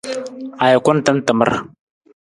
Ajukun tan tamar.